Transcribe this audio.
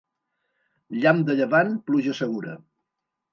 Llamp de llevant, pluja segura.